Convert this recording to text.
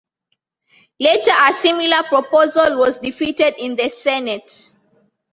Later a similar proposal was defeated in the Senate.